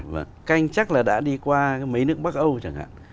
các anh chắc là đã đi qua mấy nước bắc âu chẳng hạn